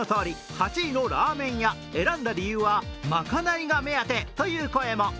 ８位のラーメン屋選んだ理由は、まかないが目当てという声も。